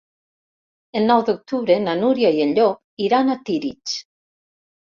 El nou d'octubre na Núria i en Llop iran a Tírig.